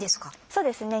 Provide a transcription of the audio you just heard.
そうですね。